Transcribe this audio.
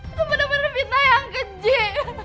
itu bener bener fitnah yang keji